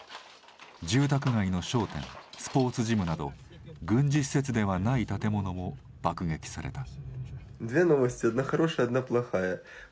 住宅街の商店、スポーツジムなど軍事施設ではない建物も爆撃された。